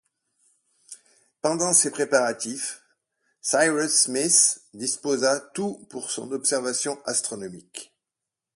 Pendant ces préparatifs, Cyrus Smith disposa tout pour son observation astronomique